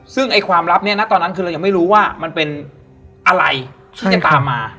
ซึ่งไอ้ความลับเนี่ยนะตอนนั้นคือเรายังไม่รู้ว่ามันเป็นอะไรที่จะตามมา